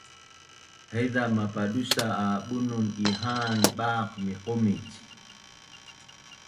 haiza mapadusa’ a bunun iha’anin baq miqomic